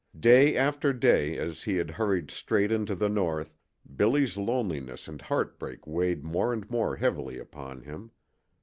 Day after day, as he had hurried straight into the north, Billy's loneliness and heartbreak weighed more and more heavily upon him.